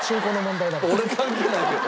俺関係ないけど。